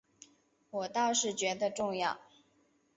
我倒是觉得重要